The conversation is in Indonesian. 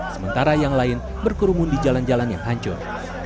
sementara yang lain berkerumun di jalan jalan yang hancur